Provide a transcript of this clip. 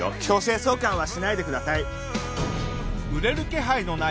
強制送還はしないでください。